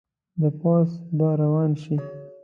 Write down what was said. د پوځ به روان شي.